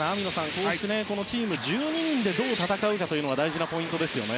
こうしてチーム１２人でどう戦うかが大事なポイントですね。